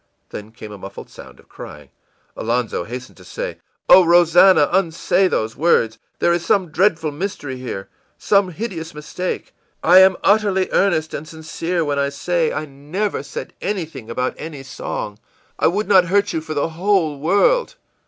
î Then came a muffled sound of crying. Alonzo hastened to say: ìOh, Rosannah, unsay those words! There is some dreadful mystery here, some hideous mistake. I am utterly earnest and sincere when I say I never said anything about any song. I would not hurt you for the whole world....